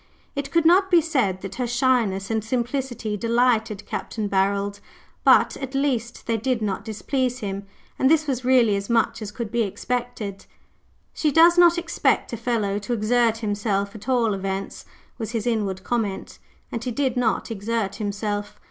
It could not be said that her shyness and simplicity delighted Capt. Barold, but, at least, they did not displease him; and this was really as much as could be expected. "She does not expect a fellow to exert himself, at all events," was his inward comment; and he did not exert himself.